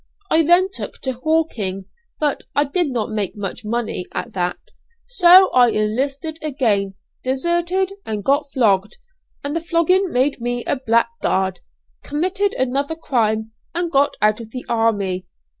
I then took to hawking, but I did not make much money at that, so I enlisted again, deserted, and got flogged; and the flogging made me a blackguard; committed another crime, and got out of the army.